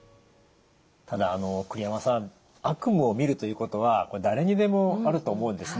ただ栗山さん悪夢をみるということはこれ誰にでもあると思うんですね。